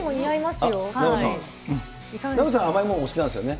違います。